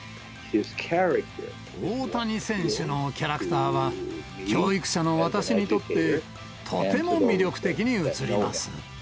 大谷選手のキャラクターは、教育者の私にとって、とても魅力的に映ります。